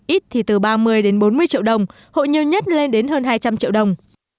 ít thì từ ba mươi đến bốn mươi triệu đồng hộ nhiều nhất lên đến hơn hai trăm linh triệu đồng